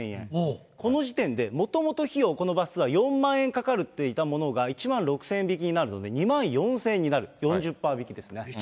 この時点で、もともと費用、このバスツアー４万円かかっていたものが、１万６０００円引きになるので、２万４０００円になる、４０％引きですね。